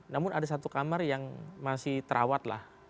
namun ada satu kamar yang masih terawat lah